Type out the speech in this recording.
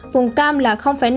vùng cam là năm